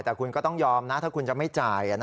แต่คุณก็ต้องยอมนะถ้าคุณจะไม่จ่าย